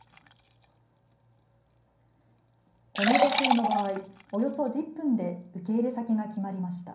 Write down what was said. この女性の場合、およそ１０分で受け入れ先が決まりました。